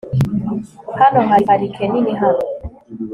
hano hari parike nini hano